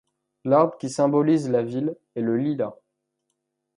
L'arbre qui symbolise la ville est le lilas.